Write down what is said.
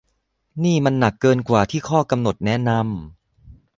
นี่มันหนักเกินกว่าที่ข้อกำหนดแนะนำ